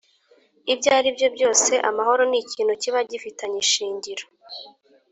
ibyo aribyo byose amahoro ni ikintu kiba gifitanye ishingiro